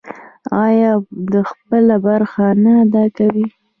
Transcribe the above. آیا او خپله برخه نه ادا کوي؟